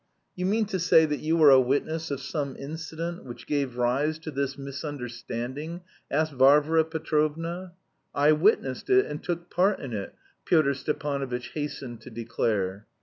'" "You mean to say that you were a witness of some incident which gave rise... to this misunderstanding?" asked Varvara Petrovna. "I witnessed it, and took part in it," Pyotr Stepanovitch hastened to declare.